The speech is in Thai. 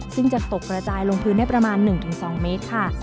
ซึ่งจะตกกระจายลงพื้นได้ประมาณ๑๒เมตรค่ะ